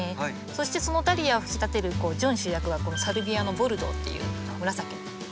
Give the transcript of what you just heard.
そしてそのダリアを引き立てる準主役はこのサルビアのボルドーっていう紫のお花です。